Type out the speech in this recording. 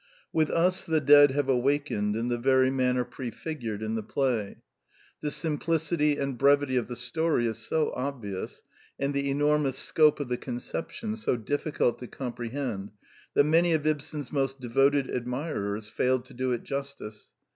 With us the dead have awakened in the very manner pre figured in the play. The simplicity and brevity of the story is so obvious, and the enormous scope of the conception so difficult to comprehend, that many of Ibsen's most devoted admirers failed to do it justice.